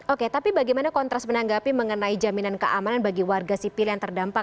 oke tapi bagaimana kontras menanggapi mengenai jaminan keamanan bagi warga sipil yang terdampak